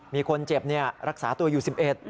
มีคนเจ็บรักษาตัวอยู่๑๑